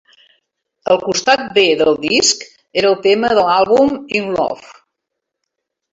El costat B del disc era el tema de l'àlbum, "In Love".